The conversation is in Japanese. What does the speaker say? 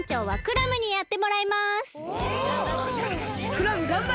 クラムがんばれ！